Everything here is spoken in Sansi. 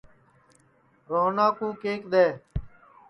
روہنا کُو کیک دؔے